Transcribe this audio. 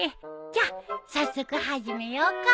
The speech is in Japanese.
じゃあ早速始めようか。